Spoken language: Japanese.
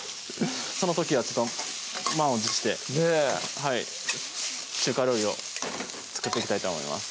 その時は満を持してねぇ中華料理を作っていきたいと思います